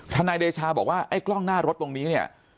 นายเดชาบอกว่าไอ้กล้องหน้ารถตรงนี้เนี่ย